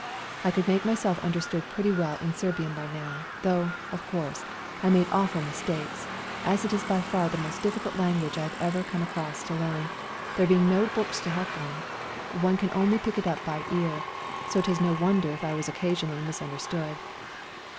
I could make myself understood pretty well in Serbian by now, though, of course, I made awful mistakes, as it is by far the most difficult language I have ever come across to learn, there being no books to help one. One can only pick it up by ear ; so it is no wonder if I was occasionally misunderstood.